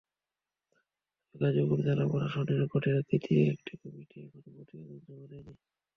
তবে গাজীপুর জেলা প্রশাসনের গঠিত তৃতীয় একটি কমিটি এখনো প্রতিবেদন জমা দেয়নি।